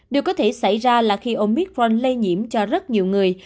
điều có thể xảy ra là khi ôngitforn lây nhiễm cho rất nhiều người